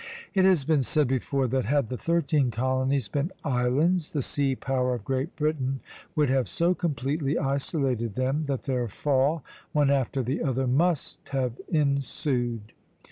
It has been said before that, had the thirteen colonies been islands, the sea power of Great Britain would have so completely isolated them that their fall, one after the other, must have ensued.